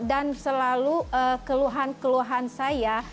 dan selalu keluhan keluhan saya